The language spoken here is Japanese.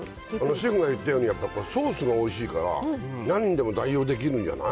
シェフが言ったように、これ、ソースがおいしいから、なんでも代用できるんじゃない。